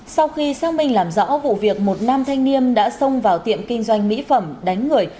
sau khi xác minh làm rõ vụ việc một nam thanh niên đã xông vào tiệm kinh doanh mỹ phẩm đánh người